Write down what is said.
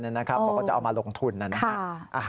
แล้วก็จะเอามาลงทุนนั่นนะครับ